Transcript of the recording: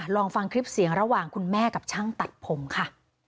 ลองฟังคลิปเสียงระหว่างคุณแม่กับช่างตัดผมค่ะ